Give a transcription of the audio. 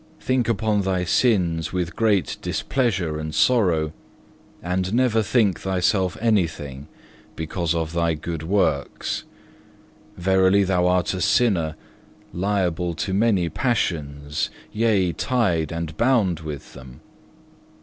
Think upon thy sins with great displeasure and sorrow, and never think thyself anything because of thy good works. Verily thou art a sinner, liable to many passions, yea, tied and bound with them.